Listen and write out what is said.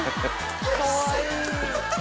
かわいい。